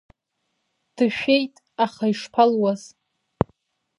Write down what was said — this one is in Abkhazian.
Дышәеит, аха ишԥалуаз.